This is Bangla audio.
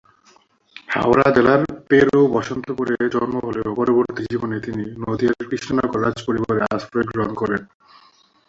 হাওড়া জেলার পেড়ো-বসন্তপুরে জন্ম হলেও পরবর্তী জীবনে তিনি নদিয়ার কৃষ্ণনগর রাজপরিবারের আশ্রয় গ্রহণ করেন।